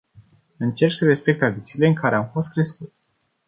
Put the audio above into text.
Încerc să respect tradițiile în care am fost crescut.